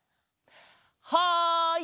はい！